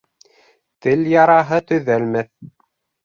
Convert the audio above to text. Тел яраһы төҙәлмәҫ.